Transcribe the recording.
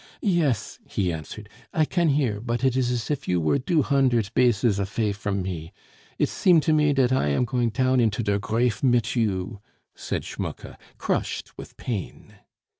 "Yes," he answered, "I can hear, but it is as if you vere doo huntert baces afay from me.... It seem to me dat I am going town into der grafe mit you," said Schmucke, crushed with pain.